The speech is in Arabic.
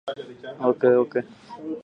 فكر قبل أن تتصرف!